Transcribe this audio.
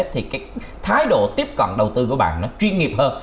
thì cái thái độ tiếp cận đầu tư của bạn nó chuyên nghiệp hơn